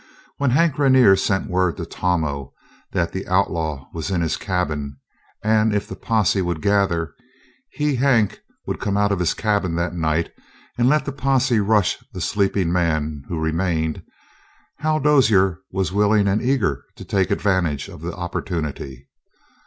When Hank Rainer sent word to Tomo that the outlaw was in his cabin, and, if the posse would gather, he, Hank, would come out of his cabin that night and let the posse rush the sleeping man who remained, Hal Dozier was willing and eager to take advantage of the opportunity.